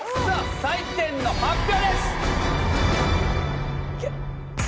採点の発表です！